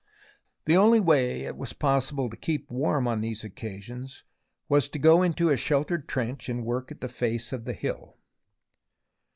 The only way it was possible to keep warm on these occasions was to go into a sheltered trench and work at the face of the hill.